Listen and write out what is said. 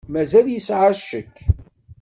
Mazal yesεa ccek.